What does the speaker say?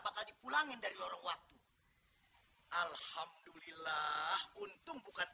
bakal dipulangin dari lorong waktu alhamdulillah untung bukan